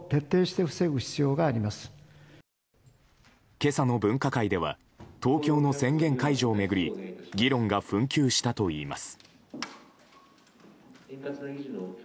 今朝の分科会では東京の宣言解除を巡り議論が紛糾したといいます。